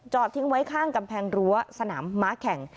ทิ้งไว้ข้างกำแพงรั้วสนามม้าแข่ง